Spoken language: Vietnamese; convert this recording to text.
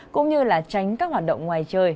cũng như tránh các hoạt động ngoài trời